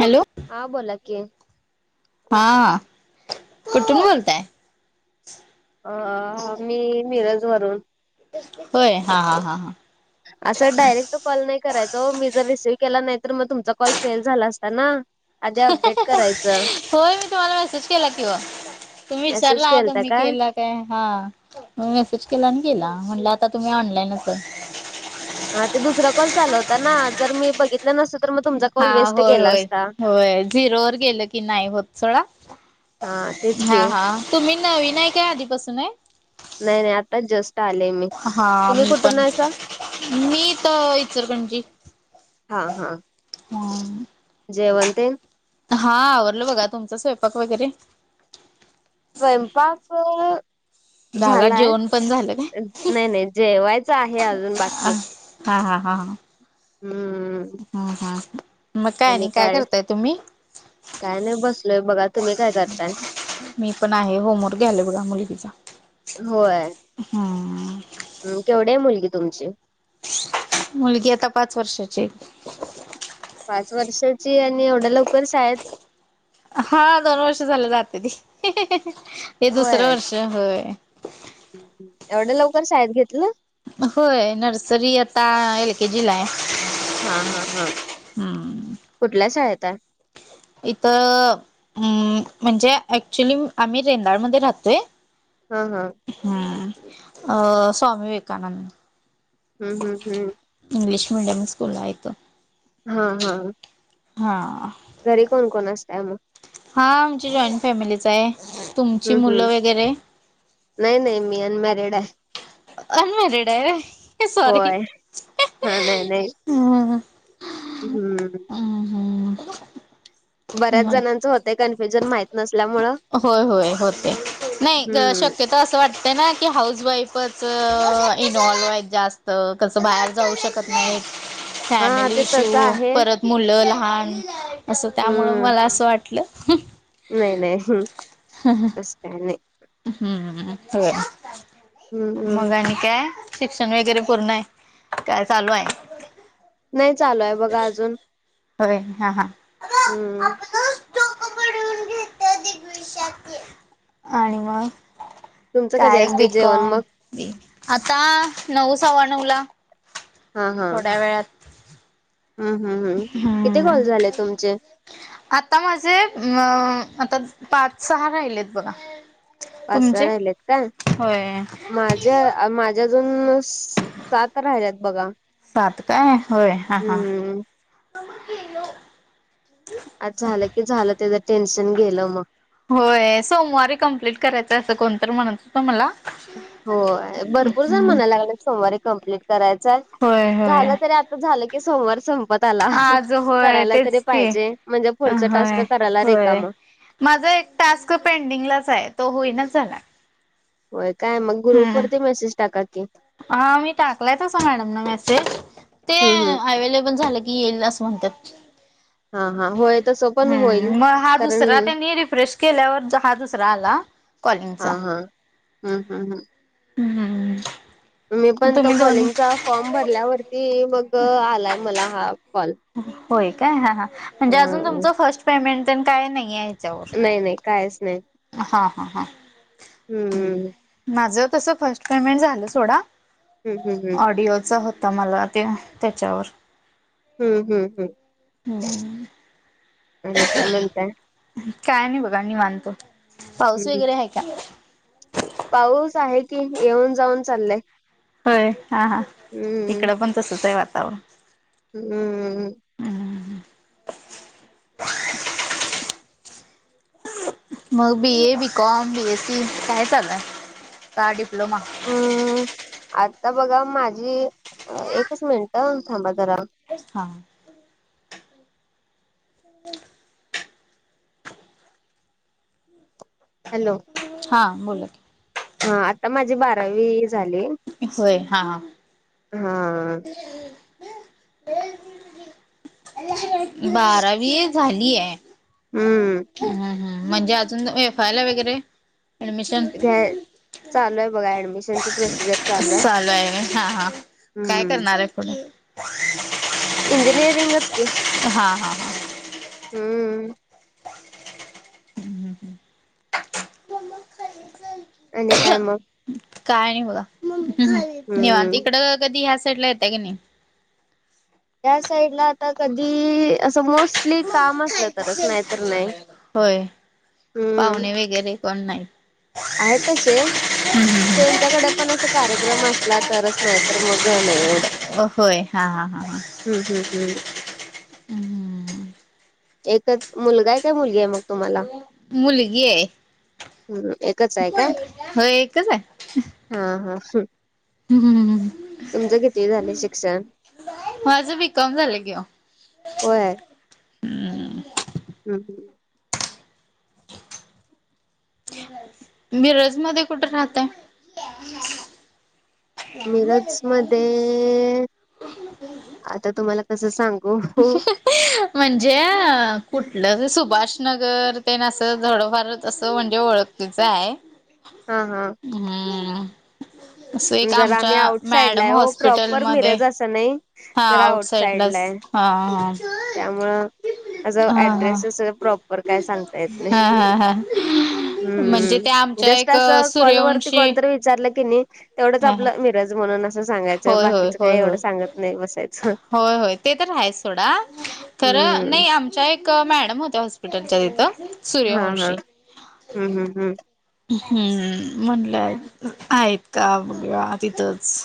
Hello. हा बोला की. हा हा कुठुून बोलताय. अ, मी मिरज वरून. होय, हा हा हा हा. असं डायरेक्ट कॉल नाही करायचं हो, मी जर रिसीव्ह केला नाही तर मग तुमचा कॉल फेल झाला असता ना. आधी अपडेट करायचं होय, मी तुम्हाला मेसेज केला की ओ. तुम्ही मेसेज विचारला आता केलता मी केलात. मग काय हा म मेसेज केला आणि केला म्हटलं आता तुम्ही ऑनलाईनच आहे. हा ते दुसरा कॉल चालू होता ना जर मी बघितलं नसतं तर मग तुमचा कॉल हा, वेस्ट होय, गेला होय, असता होय झिरोवर गेलं की नाही होत सोडा. हां तेच की हा हा तुम्ही नवीन आहे काय आधीपासून आहे. नाही नाही आत्ता जस्ट आत्ता आले मी. हा तुम्ही मी कुठून पण, आहेसा मी तर इचरलकरंजीत हा हा जेवन ते हा आवरलं बघा तुमचा स्वयंपाक वगैरे स्वयंपाक, झाला झालाय. जेवण पण झालं काय नाही नाही जेवायचं आहे आ अ, हा, हा, हा, ह हम्म. ह हा मग काय नाही काय करताय तुम्ही? काय नाही बसलोय बघा तुम्ही काय करताय? मी पण आहे होमवर्क घ्यालोय बघा मुली तिचा हम्म ह केवढी आहे मुलगी तुमची? मुलगी आता पाच वर्षाची आहे पाच वर्षाची आणि एवढ्या लवकरच शाळेत हा दोन वर्ष झालं जाते ती हे दुसरं होय वर्ष होय एवढं लवकर शाळेत घेतलं होय नर्सरी आता एल के जी ला आहे. हा हा हा कुठल्या शाळेत आहे इथ... अम् म्हणजे ऍक्च्युली आम्ही रेंदाळमध्ये राहतोय हा हा हम्म अ स्वामी विवेकानंद हम् हम हम् इंग्लिश मेडियम स्कूल हाय तो हा हा हा घरी कोण कोण असतय? मग हा आमची जॉईंट फॅमिलीच आहे तुमची हम्म हम्म मुलं वगैरे नाही नाही मी अनमॅरिड आहे. अनमॅरीड आहे सॉरी होय हा हम् हम हम् हम् [unintelligible] बऱ्याच जणांचं होतय कन्फ्युजन माहित नसल्यामुळं होय होय होतय नाही हम्म शक्यतो असं वाटत ना की हाऊस वाईफच इन्वॉल्व्ह आहेत जास्त कसं बाहेर जाऊ शकत नाहीत. [inaudible] हा फॅमिली ते तसं इशू आहे परत मुलं लहान असं त्यामुळं हम्म मला असं वाटलं नाही नाही हां हां असं काय नाही हम्म होय हम्म हम्म मग आणि.... काय शिक्षण वगैरे पूर्ण आहे काय चालू आहे? नाही चालू बघा अजून.... होय हा हा.... हम्म डोक बडवून घेतोय [unintelligible] आणि मग तुमचं कधी काय बी असते जेवण कॉम मग बी आता नऊ सवा नवला. थोड्या वेळात हम् हम् हम् किती हम्म. कॉल झाले तुमचे आता माझे अ आता पाच सहा राहिलेत बघा पाच सहा तुमचे होय... जे माझे अजून सात राहिल्यात बघा. सात काय होय हा हा हम्म मम्मा पिलो.... आज झालं की झालं त्याचं टेन्शन गेलं मग... होय सोमवारी कंम्प्लीट करायचं असं कोण तरी म्हणत होत. मला... होय भरपूर जण म्हणाल्यात सोमवारी कंम्प्लीट करायचा होय होय झाल. तरी आ.... झालं की सोमवारी संपत..... त्याला आज होय करायला तरी तेच की पाहिजे म्हणजे पुढचा टास्क करायला रिकाम.... माझ एक टास्क पेंडिंगलाच आहे. तो होईना झालाय.... होय काय मग ग्रुप वरती मेसेज टाका की... हा मी टाकलाय तस मॅडम न मेसेज.... ते हम्म हम्म अवेलेबल झालं की येईल असं म्हणतात. हा हा होय तसं पण हम्म होईल मग हा कारण दुसरा त्यांनी रिफ्रेश केल्यावर हा दुसरा आला.... कॉलिंग चा.... हम् हम् हम..... हम्म मी पण तो तुम्ही दोन्ही कॉलिंग चा फॉर्म भरल्यावरती मग आलाय मला हा कॉल.... होय काय हा हा ह म्हणजे अजून तुमचं फर्स्ट पेमेंट तेन काय नाहीे ह्याच्यावर.... नाही नाही कायच नाही.... हा हा हा..... हम्म्..... माझ तस फर्स्ट पेमेंट झालं सोडा. हम्म हम्म हम्म ऑडिओ चा होता मला ते त्याच्यावर...... हम्म हम्म हम्म आणि काय म्हणताय. काय नाही बघा निवात पाऊस हम्म वगैरे आहे. का..... पाऊस आहे. की येऊन जाऊन चाललंय.... होय हा हा.... हम्म... इकडं पण तसंच आहे. वातावरण... हम्म्म्म..... मग बी ए. बीकॉम. बीएसी. काय चाललंय काय डिप्लोमा.... हम्म आता बघा माझी एकच मिनिट एकच थांबा जरा...... हा..... हॅलो..... हा बोला की..... हा आता माझी बारावी झाली होय हा....... बारावी... झालीय हम्म हा हा म्हणजे अजून ये... फायला वगैरे ऍडमिशन.... घर.... चालू आहे बघा ऍडमिशन प्रोसिजर चालू आहे. ह हो इंजिनिअरिंगच की हा हा हा हम्म. हम्म आणि काय मग..... काय नाही बघा निवांत हम्म इकडं कधी ह्या साईडला येता की नाही. त्या साईड ला आता कधी असं मोस्ट.. होय. हम्म पाहुणे वगैरे कोण नाहीत. आहेत तसे. हम्म. त्यांच्याकडे पण अस कार्यक्रम असला तरच नाहीतर मग नाही एवढं. होय हा हा हा हा. हम्म हम्म हम्म. हम्म एकच मुलगा काय मुलगी आहे मग तुम्हाला? मुलगी आहे. हम्म एकच आहे का? होय एकच आहे. हा हा. हम्म हम्म हम्म हम्म. तुमचं किती झाले शिक्षण? माझं बीकॉम झालं की ओ होय. हम्म हम्म एस. मिरज मध्ये कुठे राहता? मिरज मध्ये आता तुम्हाला कसं सांगू. म्हणजे कुठलं सुभाष नगर ते ना अस थोडंफार असं म्हणजे ओळख. तुमचं आहे. हा हा हम्म असं एक जरा आम्ही आमच्या मॅडम हॉस्पिटलमध्ये. अस नाही हा जरा आउट साइड ला साईडलाच आहे हा त्यामुळ. असं हा हा हा ऍड्रेस सग प्रॉपर काय सांगता येत नाही. हा हा हा म्हणजे त्या हम्म आमच्या जस्ट एक असं कॉल वरती सूर्यवंशी कोणतरी विचारलं की नाही. तेवढंच हा हा आपलं मिरज म्हणून असं सांगायचं होय होय बाकीचं काही होय एवढं होय सांगत नाही बसायचं. होय होय ते तर आहेच सोडा खर हम्म नाही आम. आमचा एक मॅडम होत्या हॉस्पिटलच्या तिथं. हा हा सूर्यवंशी हम्म हम्म हम्म हम्म म्हटलंय आहेत का बघू या तिथंच.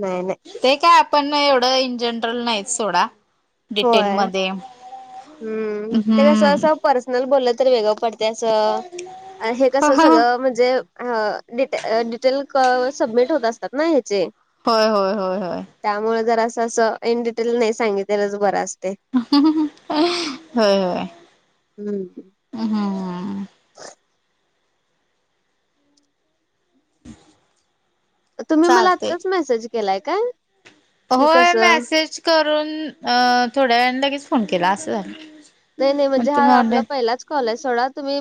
नाही नाही. ते काय आपण एवढं इन जनरल नाहीत सोडा. होय डिटेलमध्ये हम्म ते कस हम्म असं पर. ब तर वेगळं पडते अस हे कस सगळं म्हणजे ह. डिटेल डिटेल सबमिट होत असतात ना ह्याचे. होय होय होय होय त्यामुळे जर असं असं इन डिटेल नाही सांगितलच बर असते. होय होय हम्म हम्म. [unintelligible] तुम्ही मला चालतंय आत्ताच मेसेज केलाय काय? की होय कसं मेसेज करून थोड्या वेळ लगेच फोन केला असं झालं. नाही नाही मग म्हणजे हा तुम्ही आपला ऑनलाईन पहिलाच कॉल आहे सोडा. तुम्ही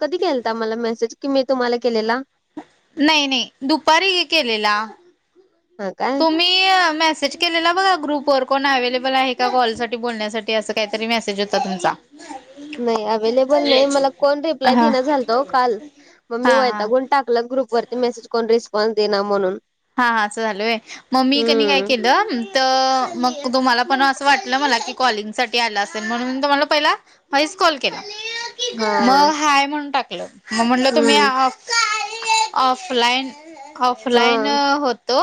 कधी केलता मला मेसेज? कि मी तुम्हाला केलेला? नाही नाही दुपारी ही केलेला. हा काय मी अ मेसेज केलेला बघा ग्रुप वर कोण अव्लेबल आहे का कॉल साठी बोलण्यासाठी असं काहीतरी मेसेज होता तुमचा. नाही अवेलेबल नाही मला कोण हा रिप्लाय देणं झालत काल मग मी हा हा. वैतागून. टाकलं ग्रुप वरती मेसेज कोन रिस्पॉन्स दे म्हणून. हा हा असं झालूय मग मी कनी काय हम्म केलं. तर मग तुम्हाला पण असं वाटलं मला की कॉलिंग साठी आला असेल म्हणून तुम्हाला पहिला व्हॉइस कॉल केला. हा मग हाय म्हणून टाकलं मग म्हणलं तुम्ही. हम्म ऑफलाइन हा ऑफलाइन होतो.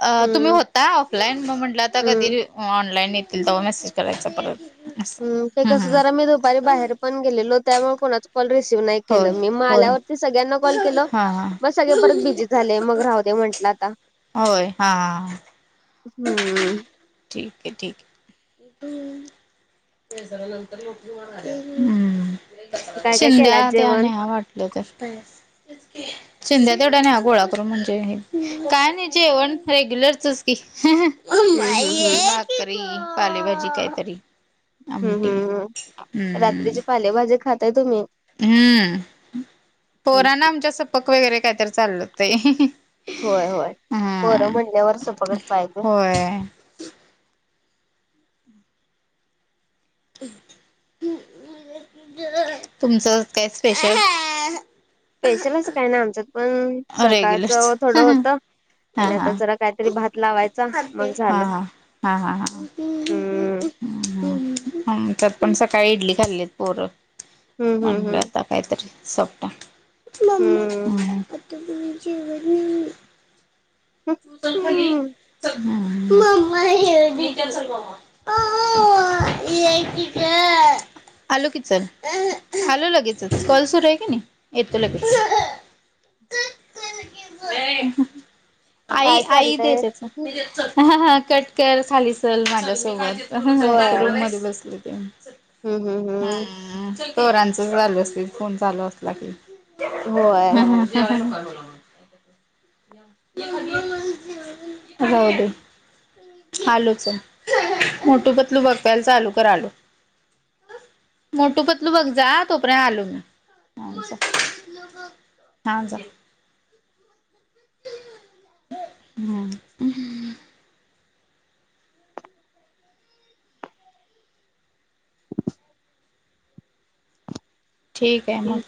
अ तुम्ही हम्म होता ऑफलाईन मग म्हंटलं आता हम्म कधी ऑनलाईन येतील तर मेसेज करायचा परत असं हम् ते हम्म कसं हम्म जरा मी दुपारी बाहेर पण गेलेलो त्यामुळे कोणा ॉल रिसीव नाही के होय मी मग होय आल्यावरती सगळ्यांना कॉल केलं हा मग हा सगळे परत बिी झालेय मग राह दे म्हंटलं आता होय हा हा हम्म ठीक आहे ठीक आहे ह हम्म काय काय केलात शिध्या त्या जेवण नहा वाट लोक शिध्या तेवढ्या नाही हा गोळा करून म्हणजे काय नाही जेवण रेग्युलरचच की ह हम्म हम् हम् साकरी पालेभाजी काहीतरी हम्म आमटी हम्म हम् हम्म रात्रीचे पालेभाजे खाताय तुम्ही हम्म पोरान हम्म आमच्या सपक वगैरे कायतरी चाललं होत होय होय खरं म्हणल्या वरचंपघच पाहिजे हो तुमचं काय स्पेशल स्पेशलच काय ना आमच्यात पण सकाळचं रेग्युलरच थोडं हा होत आणि हा आता जरा काहीतरी भात लावायचा हा मग झालं हा हम्म आच्यात पण सकाळी इडली खाल्लीत पोरं हम्म म्हणलं हम्म आता कायतरी सोपट न म हम्म ज वळीज झाली हम्म म हे अ कीक आलो कीचल आलो लगेचच कलसरू आहे की नाही येतो लगेच आई काय आई दे चाललंय त्याच ह हा कटकर खालीसल होय माझ्यासोबत रूम मध्ये बसले हम्म हम्म हम्म ह तोरांचच झाल असते फोन चालू असला की होय होल आलूच मोठू पतलू बघवायला चा आलू कर आलू मोठू पतलू बघ जा तोपर्यंत आलो मी हा जा हम् ठीक आहे म